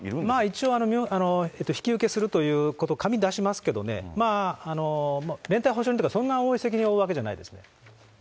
一応、引き受けするということを紙出しますけどね、連帯保証人とか、そんな思い責任を負うわけじゃないですね。